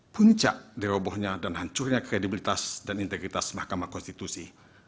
puncak dirobohnya dan hancurnya kredibilitas dan integritas mahkamah konstitusi